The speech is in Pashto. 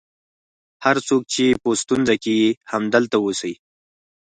هر څوک چې په ستونزه کې یې همدلته اوسي.